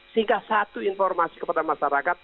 sehingga satu informasi kepada masyarakat